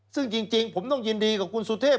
ซึ่งจริงผมต้องยินดีกับคุณสุเทพ